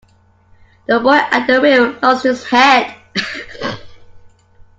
The boy at the wheel lost his head.